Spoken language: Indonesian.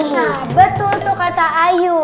nah betul tuh kata ayu